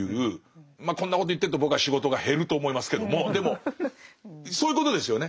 まあこんなこと言ってると僕は仕事が減ると思いますけどもでもそういうことですよね？